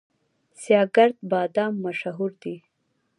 سیاه ګرد بادام مشهور دي؟